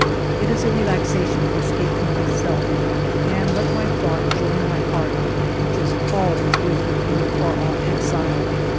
It is a relaxation to escape from my self, and let my thought join my heart, which is always with you in your far off exile.